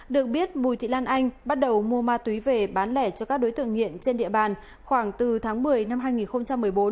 được biết bùi thị lan anh bắt đầu mua ma túy về bán lẻ cho các đối tượng nghiện trên địa bàn khoảng từ tháng một mươi năm hai nghìn một mươi bốn